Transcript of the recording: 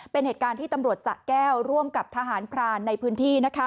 เป็นเหตุการณ์ที่ตำรวจสะแก้วร่วมกับทหารพรานในพื้นที่